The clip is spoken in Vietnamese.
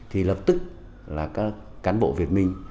thì lập tức là các cán bộ việt minh